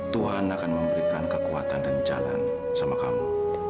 tuhan akan memberikan kekuatan dan jalan sama kamu